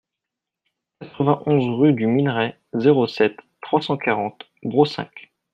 quatre-vingt-onze rue du Minerai, zéro sept, trois cent quarante Brossainc